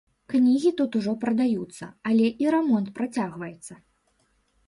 Кнігі тут ужо прадаюцца, але і рамонт працягваецца.